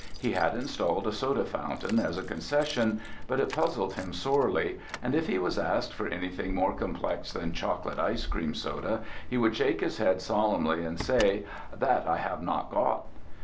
He had installed a soda fountain as a concession, but it puzzled him sorely, and if he was asked for anything more complex than chocolate ice cream soda he would shake his head solemnly and say: "That I have not got."